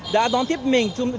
đã đón tiếp mình